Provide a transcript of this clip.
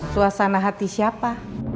suasana hati siapa